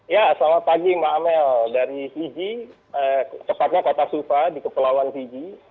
ya selamat pagi mbak amel dari fiji tepatnya kota supa di kepulauan fiji